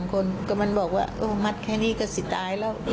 คนก็มันบอกว่าโอ้มัดแค่นี้ก็สิตายแล้ว